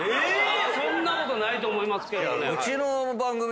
そんなことないと思いますけどね。